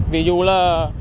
ví dụ là